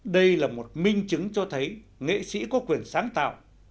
đây là một minh chứng cho thấy nghệ sĩ có quyền sáng tạo